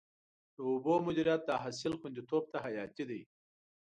د اوبو مدیریت د حاصل خوندیتوب ته حیاتي دی.